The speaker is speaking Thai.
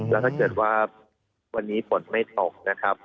แล้วถ้าเกิดว่าวันนี้ฝนไม่ตกนะครับ